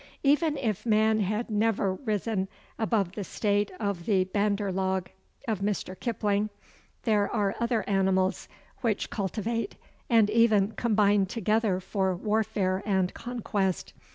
Even if man had never risen above the state of the Banderlog of Mr. Kipling, there are other animals which cultivate and even combine together for warfare and conquest.